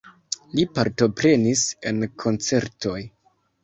Li partoprenis en koncertoj.